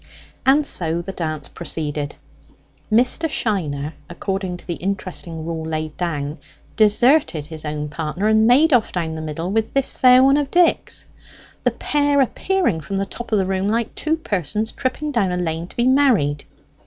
And so the dance proceeded. Mr. Shiner, according to the interesting rule laid down, deserted his own partner, and made off down the middle with this fair one of Dick's the pair appearing from the top of the room like two persons tripping down a lane to be married.